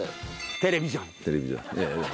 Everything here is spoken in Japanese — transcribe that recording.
『テレビジョン』。